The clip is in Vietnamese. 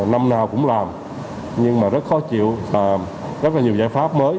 năm nào cũng làm nhưng mà rất khó chịu rất là nhiều giải pháp mới